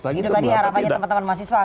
itu tadi harapannya teman teman mahasiswa